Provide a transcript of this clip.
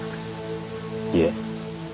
いえ。